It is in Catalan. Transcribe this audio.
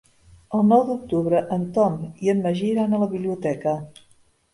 El nou d'octubre en Tom i en Magí iran a la biblioteca.